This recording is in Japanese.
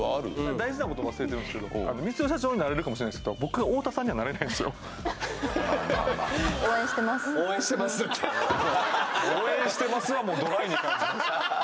大事なこと忘れてるんですけど光代社長になれるかもしれないすけどまあまあまあ「応援してます」って「応援してます」はもうドライに感じます